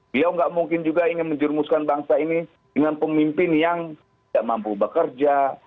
beliau nggak mungkin juga ingin menjurumuskan bangsa ini dengan pemimpin yang tidak mampu bekerja